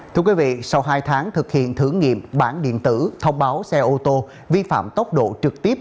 thưa quý vị sau hai tháng thực hiện thử nghiệm bản điện tử thông báo xe ô tô vi phạm tốc độ trực tiếp